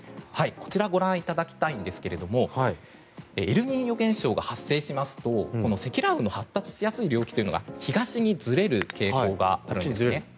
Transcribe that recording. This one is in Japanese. こちらご覧いただきたいんですがエルニーニョ現象が発生しますと積乱雲の発達しやすい領域が東にずれる傾向があるんです。